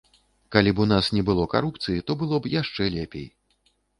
Калі б у нас не было карупцыі, то было б яшчэ лепей.